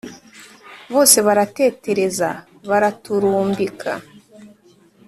Bose baratetereza baraturumbika